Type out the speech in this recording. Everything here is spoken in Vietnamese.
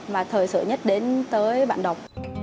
và thời sự nhất đến tới bản thân